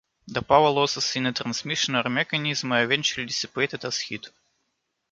The power losses in a transmission or mechanism are eventually dissipated as heat.